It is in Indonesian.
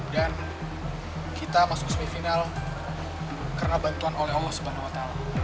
dan kita masuk ke semifinal karena bantuan oleh allah swt